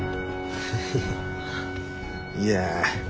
フフフいや